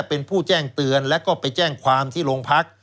เป็นผู้แจ้งเตือนแล้วก็ไปแจ้งความที่โรงพัก